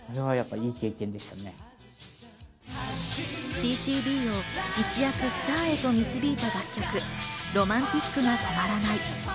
Ｃ−Ｃ−Ｂを一躍スターへと導いた楽曲『Ｒｏｍａｎｔｉｃが止まらない』。